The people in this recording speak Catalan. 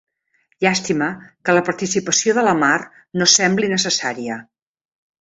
Llàstima que la participació de la Mar no sembli necessària.